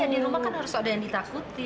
di rumah kan harus ada yang ditakutin